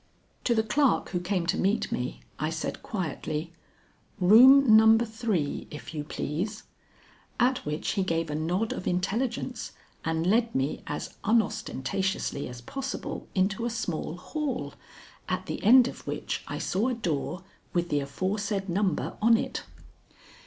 To the clerk who came to meet me, I said quietly, "Room No. 3, if you please," at which he gave a nod of intelligence and led me as unostentatiously as possible into a small hall, at the end of which I saw a door with the aforesaid number on it.